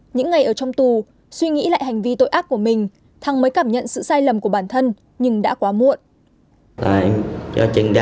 những ngày ở trong tù suy nghĩ lại hành vi tội ác của mình thắng mới cảm nhận sự sai lầm của bản thân nhưng đã quá muộn